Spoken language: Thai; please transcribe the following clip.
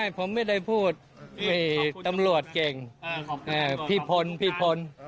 ผมไม่ได้พูดตำรวจเก่งพี่พลพี่พล